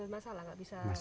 masalah nggak bisa